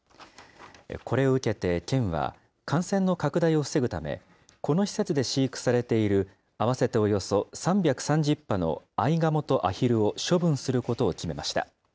これを受けて県は、感染の拡大を防ぐため、この施設で飼育されている合わせておよそ３３０羽のアイガモとアヒルを処分することを決めました。